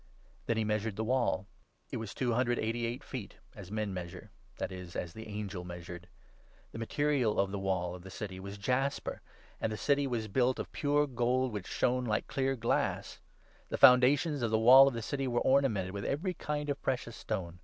Then he measured the wall ; it was two hundred and eighty 17 eight feet, as men measure, that is as the angel measured. The material of the wall of the City was jasper, and the City 18 was built of pure gold, which shone like clear glass. The 19 foundations of the wall of the City were ornamented with every kind of precious stone.